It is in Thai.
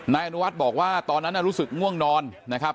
นายอนุวัฒน์บอกว่าตอนนั้นรู้สึกง่วงนอนนะครับ